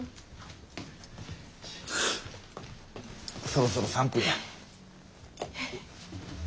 そろそろ３分や。